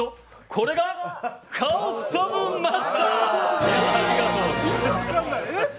これが、カオスオブマスター！